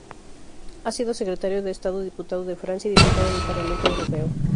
Ha sido secretario de estado, diputado de Francia y diputado del Parlamento Europeo.